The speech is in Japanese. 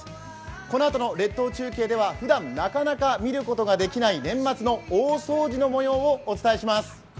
このあとの列島中継ではふだんなかなか見ることができない年末の大掃除の模様をお伝えします。